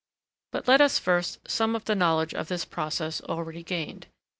But let us first sum up the knowledge of this process already gained.